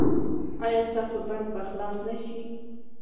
ایا ستاسو بند به خلاص نه شي؟